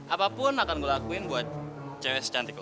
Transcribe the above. apapun akan gue lakuin buat cewek secantik